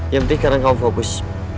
yang penting karena kamu fokus